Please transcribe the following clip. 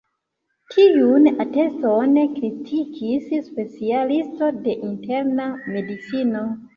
Tiun ateston kritikis specialisto de interna medicino.